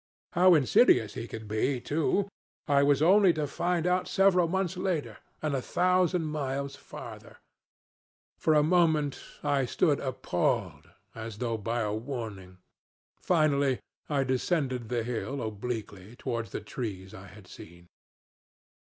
How insidious he could be, too, I was only to find out several months later and a thousand miles farther. For a moment I stood appalled, as though by a warning. Finally I descended the hill, obliquely, towards the trees I had seen.